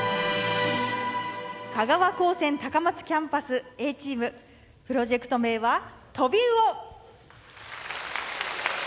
香川高専高松キャンパスＡチームプロジェクト名はとびうお。